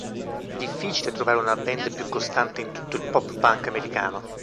Difficile trovare una band più costante in tutto il pop-punk americano".